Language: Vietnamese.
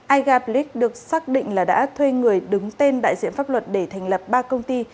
iga plue được xác định là đã thuê người đứng tên đại diện pháp luật để thành lập ba công ty